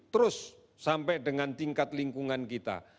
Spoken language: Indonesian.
terus sampai dengan tingkat lingkungan kita